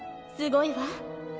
すごいわ」